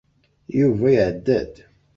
Yuba iɛedda-d.